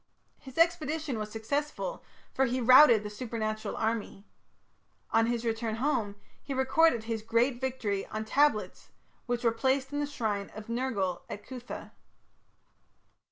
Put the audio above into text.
His expedition was successful, for he routed the supernatural army. On his return home, he recorded his great victory on tablets which were placed in the shrine of Nergal at Cuthah.